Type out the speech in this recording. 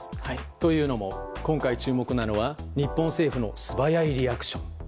というのも今回、注目なのは日本政府の素早いリアクション。